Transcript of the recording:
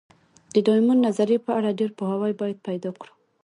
د ډایمونډ نظریې په اړه ډېر پوهاوی باید پیدا کړو.